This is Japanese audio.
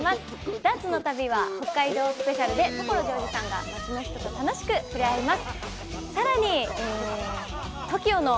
ダーツの旅は北海道スペシャルで、所ジョージさんが街の人と楽しく触れ合います。